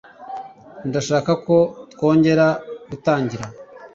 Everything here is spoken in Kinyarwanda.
Ndashaka ko twongera gutangira.